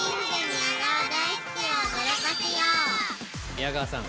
宮川さん！